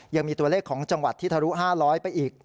ยังมีตัวเลขของจังหวัดที่ทะลุ๕๐๐ไปอีก